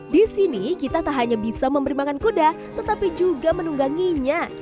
di sini kita tak hanya bisa memberi makan kuda tetapi juga menungganginya